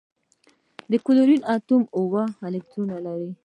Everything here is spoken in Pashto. د کلورین اتوم اوه الکترونونه لري.